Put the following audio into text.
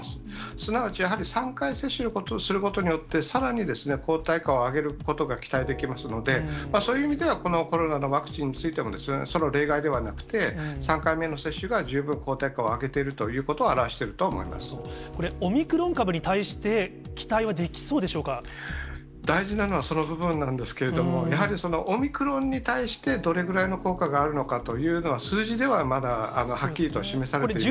すなわち、やはり３回接種することによって、さらに抗体価を上げることが期待できますので、そういう意味ではこのコロナのワクチンについても、その例外ではなくて、３回目の接種が十分抗体価を上げているということを表しているとこれ、オミクロン株に対して、大事なのは、その部分なんですけれども、やはりオミクロンに対して、どれぐらいの効果があるのかというのは数字ではまだ、はっきりとは示されていません。